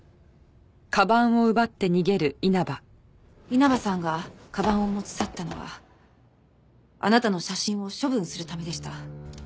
稲葉さんがかばんを持ち去ったのはあなたの写真を処分するためでした。